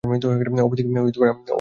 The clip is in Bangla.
অপরদিকে, আমিও দুর্বল হয়ে গেছি।